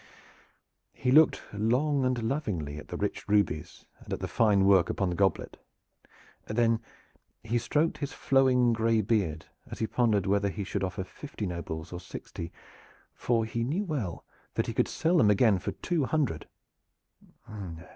He looked long and lovingly at the rich rubies and at the fine work upon the goblet. Then he stroked his flowing gray beard as he pondered whether he should offer fifty nobles or sixty, for he knew well that he could sell them again for two hundred.